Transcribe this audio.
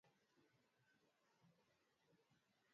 wanyama mimea na mifumo ya ikolojia unapunguza uwezo